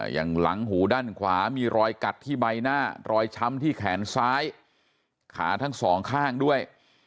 หลังหูด้านขวามีรอยกัดที่ใบหน้ารอยช้ำที่แขนซ้ายขาทั้งสองข้างด้วย